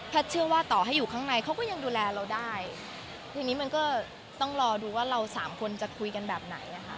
เชื่อว่าต่อให้อยู่ข้างในเขาก็ยังดูแลเราได้ทีนี้มันก็ต้องรอดูว่าเราสามคนจะคุยกันแบบไหนอ่ะค่ะ